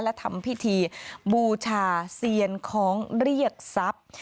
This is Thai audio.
และทำพิธีบูชาเซียนคล้องเรียกทรัพย์